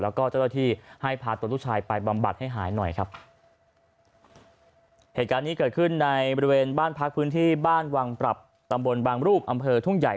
แล้วก็เจ้าหน้าที่ให้พาตัวลูกชายไปบำบัดให้หายหน่อยครับเหตุการณ์นี้เกิดขึ้นในบริเวณบ้านพักพื้นที่บ้านวังปรับตำบลบางรูปอำเภอทุ่งใหญ่